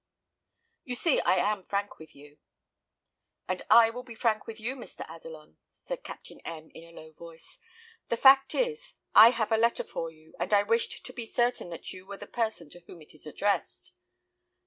You see I am frank with you." "And I will be frank with you, Mr. Adelon," said Captain M , in a low voice. "The fact is, I have a letter for you, and I wished to be certain that you were the person to whom it is addressed."